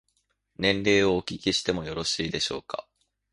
年齢をお聞きしてもよろしいでしょうか。